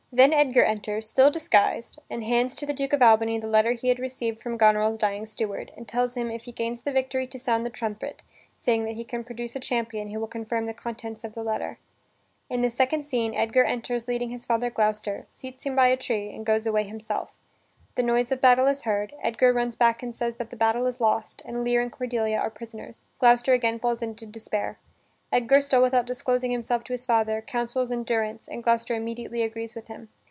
Then Edgar enters, still disguised, and hands to the Duke of Albany the letter he had received from Goneril's dying steward, and tells him if he gains the victory to sound the trumpet, saying that he can produce a champion who will confirm the contents of the letter. In the second scene, Edgar enters leading his father Gloucester, seats him by a tree, and goes away himself. The noise of battle is heard, Edgar runs back and says that the battle is lost and Lear and Cordelia are prisoners. Gloucester again falls into despair. Edgar, still without disclosing himself to his father, counsels endurance, and Gloucester immediately agrees with him.